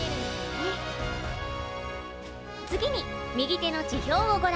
次に右手の地表をご覧ください。